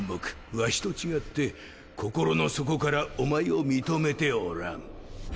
ワシと違って心の底からおまえを認めておらん。